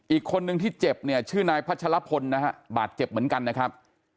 อีกคนนึงที่เจ็บเนี่ยชื่อนายพัชรพลนะฮะบาดเจ็บเหมือนกันนะครับ